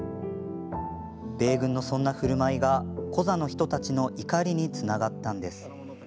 米軍のそんなふるまいがコザの人たちの怒りにつながったのです。